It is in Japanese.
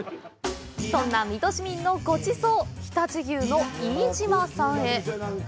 そんな水戸市民のごちそう、常陸牛のイイジマさんへ。